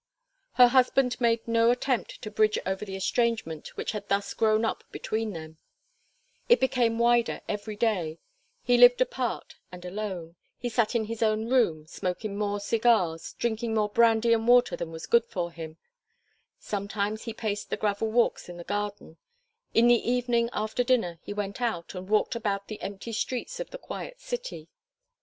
Her husband made no attempt to bridge over the estrangement which had thus grown up between them: it became wider every day; he lived apart and alone; he sat in his own room, smoking more cigars, drinking more brandy and water than was good for him; sometimes he paced the gravel walks in the garden; in the evening, after dinner, he went out and walked about the empty streets of the quiet city.